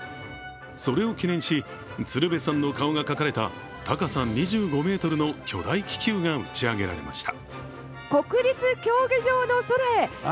それを記念し、鶴瓶さんの顔が描かれた、高さ２５ｍの巨大気球が打ち上げられました。